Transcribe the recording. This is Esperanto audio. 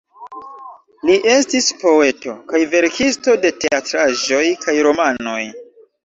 Li estis poeto, kaj verkisto de teatraĵoj kaj romanoj.